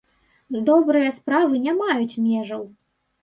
Добрыя справы не маюць межаў!